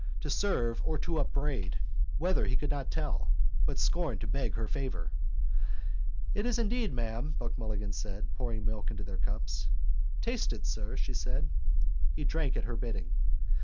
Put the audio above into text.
To serve or to upbraid, whether he could not tell: but scorned to beg her favour. —It is indeed, ma'am, Buck Mulligan said, pouring milk into their cups. —Taste it, sir, she said. He drank at her bidding.